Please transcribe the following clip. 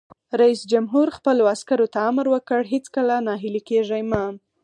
رئیس جمهور خپلو عسکرو ته امر وکړ؛ هیڅکله ناهیلي کیږئ مه!